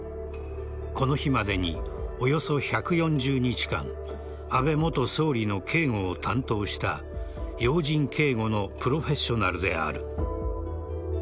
この日までに、およそ１４０日間安倍元総理の警護を担当した要人警護のプロフェッショナルである。